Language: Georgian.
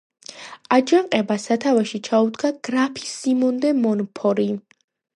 აჯანყებას სათავეში ჩაუდგა გრაფი სიმონ დე მონფორი.